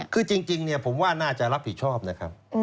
คือจริงผมว่าน่าจะรับผิดชอบนะครับ